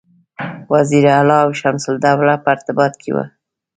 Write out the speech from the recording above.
وزیر علي او شمس الدوله په ارتباط کې وه.